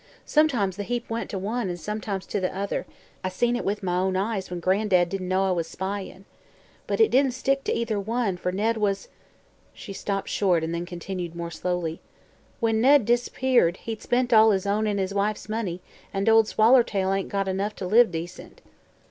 Sometimes the heap went to one, an' sometimes to the other; I seen it with my own eyes, when Gran'dad didn't know I was spyin'. But it didn't stick to either one, for Ned was " She stopped short, then continued more slowly: "When Ned dis'peared, he'd spent all his own an' his wife's money, an' Ol' Swallertail ain't got enough t' live decent."